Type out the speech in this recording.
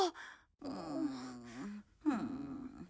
うんうん。